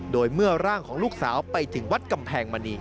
โดยเมื่อร่างของลูกสาวไปถึงวัดกำแพงมณี